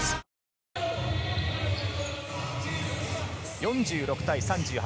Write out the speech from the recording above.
４６対３８。